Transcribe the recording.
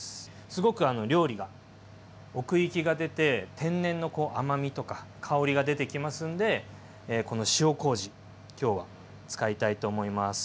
すごく料理が奥行きが出て天然の甘みとか香りが出てきますんでこの塩こうじ今日は使いたいと思います。